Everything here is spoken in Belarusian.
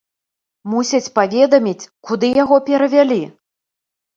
Мусяць паведаміць, куды яго перавялі.